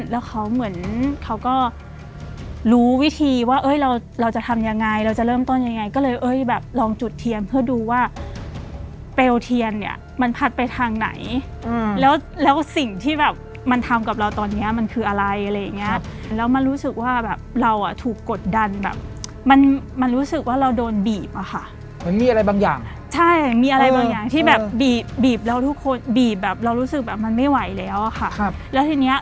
แล้วเขาเหมือนเขาก็รู้วิธีว่าเอ้ยเราเราจะทำยังไงเราจะเริ่มต้นยังไงก็เลยเอ้ยแบบลองจุดเทียมเพื่อดูว่าเปลเทียนเนี่ยมันผลัดไปทางไหนแล้วแล้วสิ่งที่แบบมันทำกับเราตอนนี้มันคืออะไรอะไรอย่างเงี้ยแล้วมันรู้สึกว่าแบบเราอ่ะถูกกดดันแบบมันมันรู้สึกว่าเราโดนบีบอะค่ะเหมือนมีอะไรบางอย่างใช่มีอะไรบางอย่างที่